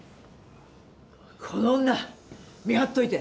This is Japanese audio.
この女見張っといて。